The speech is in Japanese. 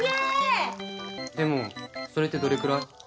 でもそれってどれくらい？